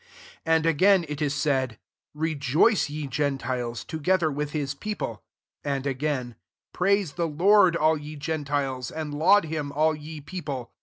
*' 10 And again it is said, "Re joice, ye gentiles, together with his people." 11 And again, " Praise the Lord, all ye gen tiles ; and laud him, all ye peo ple."